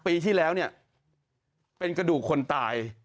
ปีที่แล้วเป็นกระดูกคนตาย